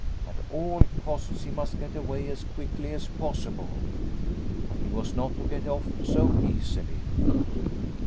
At all costs he must get away as quickly as possible. But he was not to get off so easily.